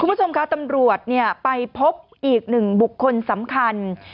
คุณผู้ชมคะตำรวจไปพบอีกหนึ่งบุคคลสำคัญ